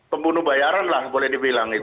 pembunuh bayaran lah boleh dibilang